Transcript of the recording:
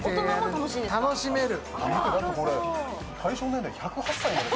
楽しめる。